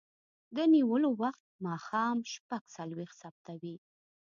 د نیولو وخت ماښام شپږ څلویښت ثبتوي.